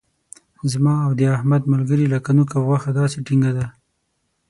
زما او د احمد ملګري لکه نوک او غوښه داسې ټینګه ده.